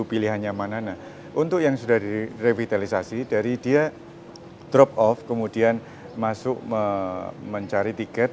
pilihannya mana nah untuk yang sudah direvitalisasi dari dia drop off kemudian masuk mencari tiket